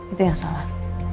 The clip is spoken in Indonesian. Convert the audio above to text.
itu yang salah